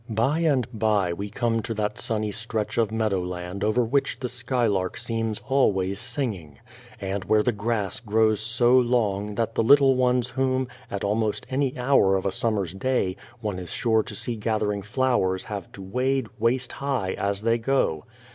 By and by we come to that sunny stretch of meadowland over which the skylark seems always singing, and where the grass grows so long that the little ones whom, at almost any hour of a summer's day, one is sure to see gathering flowers have to wade, waist high, as they go.